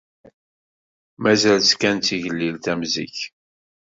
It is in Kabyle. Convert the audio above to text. Mazal-tt kan d tigellilt am zik.